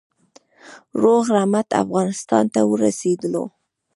روغ رمټ افغانستان ته ورسېدلو.